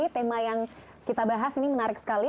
tema yang kita bahas ini menarik sekali